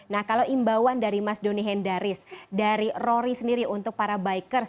nah kalau imbauan dari mas doni hendaris dari rory sendiri untuk para bikers